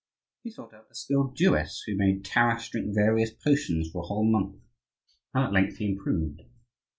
He sought out a skilled Jewess, who made Taras drink various potions for a whole month, and at length he improved.